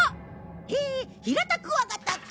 へえヒラタクワガタか。